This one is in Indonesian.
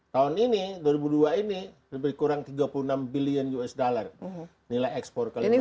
tahun ini dua ribu dua ini lebih kurang tiga puluh enam bilion usd nilai ekspor kalimantan